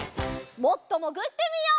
もっともぐってみよう。